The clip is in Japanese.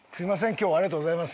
今日はありがとうございます。